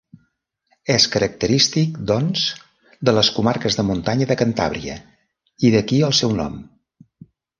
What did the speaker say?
És característic, doncs, de les comarques de muntanya de Cantàbria, i d'aquí el seu nom.